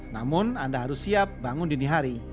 namun anda harus siap bangun dini hari